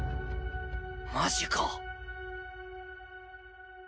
マジか。